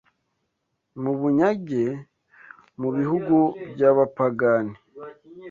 mu bunyage mu bihugu by’abapagani